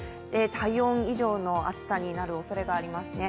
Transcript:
体温以上の暑さになるおそれがありますね。